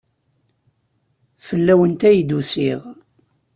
Fell-awent ay d-usiɣ.